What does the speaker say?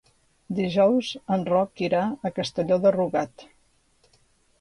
Dijous en Roc irà a Castelló de Rugat.